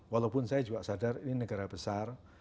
walaupun saya juga sadar ini negara besar